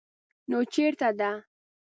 _نو چېرته ده؟